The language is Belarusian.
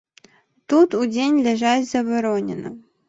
Тут удзень ляжаць забаронена.